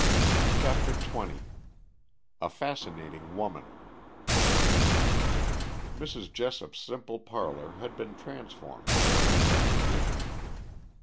CHAPTER XX A FASCINATING WOMAN Mrs. Jessop's simple parlor had been transformed beyond recognition.